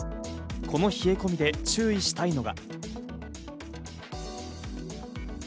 この冷え込みで注意したいのが。